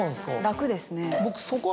楽ですね。